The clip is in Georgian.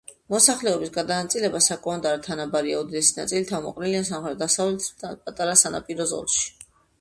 მოსახლეობის გადანაწილება საკმაოდ არათანაბარია: უდიდესი ნაწილი თავმოყრილია სამხრეთ-დასავლეთის პატარა სანაპირო ზოლში.